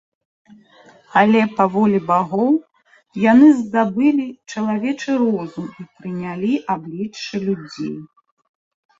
Але па волі багоў яны здабылі чалавечы розум і прынялі аблічча людзей.